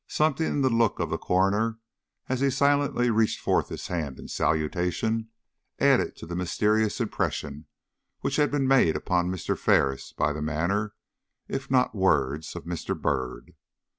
Something in the look of the coroner, as he silently reached forth his hand in salutation, added to the mysterious impression which had been made upon Mr. Ferris by the manner, if not words, of Mr. Byrd.